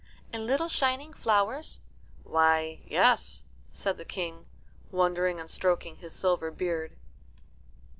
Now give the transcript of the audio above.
"And little shining flowers?" "Why, yes," said the King, wondering and stroking his silver beard.